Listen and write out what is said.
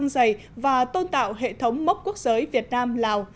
dày và tôn tạo hệ thống mốc quốc giới việt nam lào